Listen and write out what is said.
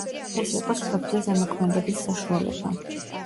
ეს იყო სხვებზე ზემოქმედების საშუალება.